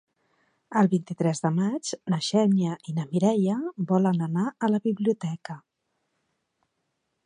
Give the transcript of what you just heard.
El vint-i-tres de maig na Xènia i na Mireia volen anar a la biblioteca.